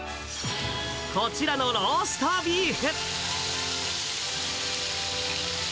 こちらのローストビーフ。